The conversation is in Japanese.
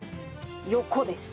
横です。